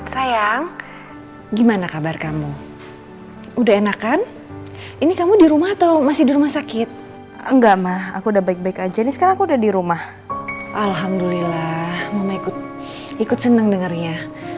sayang gimana kabar kamu udah enakan ini kamu di rumah atau masih di rumah sakit enggak mah aku udah baik baik aja ini sekarang aku udah di rumah alhamdulillah mama ikut seneng dengernya